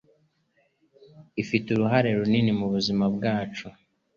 Ifite uruhare runini mubuzima bwacu